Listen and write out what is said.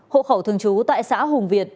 hộ khẩu thường trú tại xã hùng việt